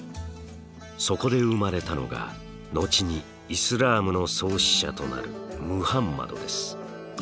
そこで生まれたのが後にイスラームの創始者となるムハンマドです。